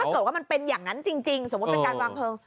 เกิดว่ามันเป็นอย่างนั้นจริงสมมุติเป็นการวางเพลิง